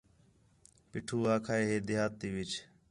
پیٹھو آکھا ہے ہِے دیہات تی وِچ